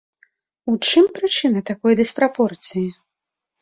У чым прычына такой дыспрапорцыі?